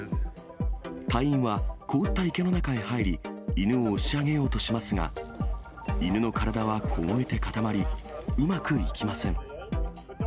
隊員は、凍った池の中へ入り、犬を押し上げようとしますが、犬の体は凍えて固まり、うまくいきません。